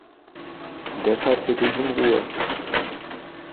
Deshalb bitte ich um Ruhe.